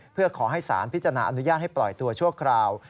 เพื่อขอให้สารพิจารณาอนุญาตให้ปล่อยตัวชั่วคราว